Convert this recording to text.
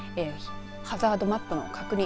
ハザードマップの確認